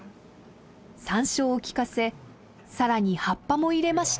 サンショウを利かせさらに葉っぱも入れました。